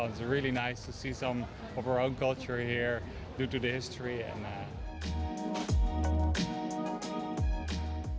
sangat menarik melihat beberapa kultur kita sendiri di sini karena sebab sejarah